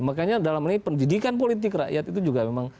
makanya dalam hal ini pendidikan politik rakyat itu juga memang penting sekali